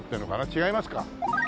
違いますか？